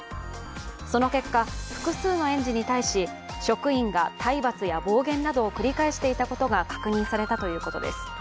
その結果、複数の園児に対し職員が体罰や暴言などを繰り返していたことが確認されたということです。